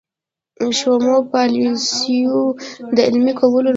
شومو پالیسیو د عملي کولو لپاره.